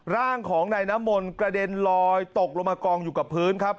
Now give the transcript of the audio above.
ร่างของนายน้ำมนต์กระเด็นลอยตกลงมากองอยู่กับพื้นครับ